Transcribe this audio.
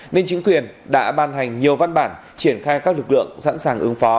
nên chính quyền đã ban hành nhiều văn bản triển khai các lực lượng sẵn sàng ứng phó